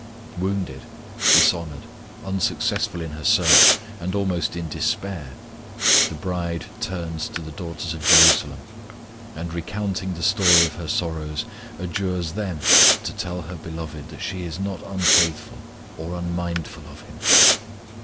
Wounded, dishonoured, unsuccessful in her search, and almost in despair, the bride turns to the daughters of Jerusalem; and recounting the story of her sorrows, adjures them to tell her Beloved that she is not unfaithful or unmindful of Him.